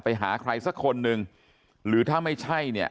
ไปหาใครสักคนนึงหรือถ้าไม่ใช่เนี่ย